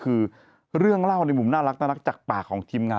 คือเรื่องเล่าในมุมน่ารักจากปากของทีมงาน